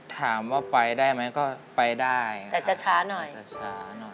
ถามว่าไปได้ไหมก็ไปได้ค่ะแต่จะช้าหน่อยค่ะ